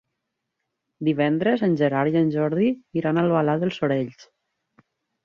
Divendres en Gerard i en Jordi iran a Albalat dels Sorells.